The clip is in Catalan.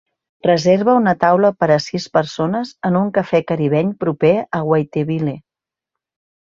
reserva una taula per a sis persones en un cafè caribeny proper a Waiteville